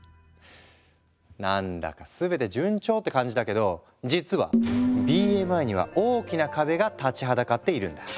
何だか全て順調って感じだけど実はＢＭＩには大きな壁が立ちはだかっているんだ。